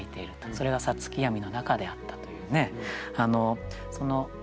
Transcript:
それが五月闇の中であったというね。